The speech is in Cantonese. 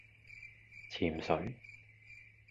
潛水